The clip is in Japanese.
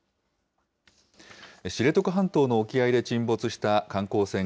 知床半島の沖合で沈没した観光船